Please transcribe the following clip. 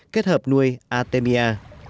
kết hợp nuôi artemia